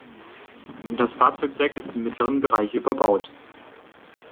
Das Fahrzeugdeck ist im mittleren Bereich überbaut.